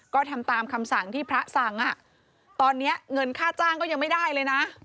ก็ทำตามคำสั่งที่พระสั่งตอนนี้เงินค่าจ้างก็ยังไม่ได้เลยนะ